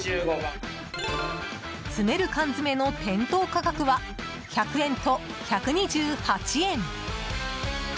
詰める缶詰の店頭価格は１００円と１２８円。